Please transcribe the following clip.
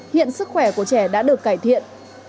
hiện sức khỏe của trẻ đã được cải thiện